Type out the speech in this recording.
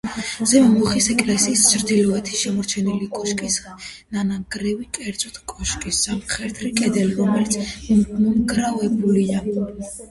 ზემო მოხისის ეკლესიის ჩრდილოეთით შემორჩენილია კოშკის ნანგრევი, კერძოდ, კოშკის სამხრეთი კედელი, რომელიც მომრგვალებულია.